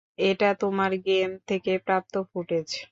এটা তোমার গেম থেকে প্রাপ্ত ফুটেজ।